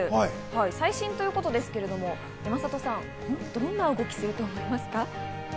最新ということですけれども、山里さん、どんな動きをすると思いますか？